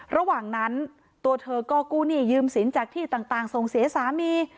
ระหว่างนั้นตัวเธอก็กู้หนี้ยืมสินจากที่ต่างส่งเสียสามี